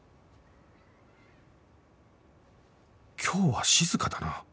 今日は静かだな